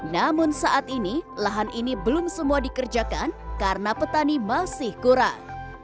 namun saat ini lahan ini belum semua dikerjakan karena petani masih kurang